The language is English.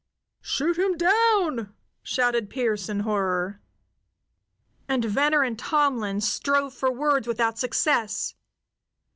"Shoot him down!" shouted Pearse in horror. And Venner and Tomlin strove for words without success.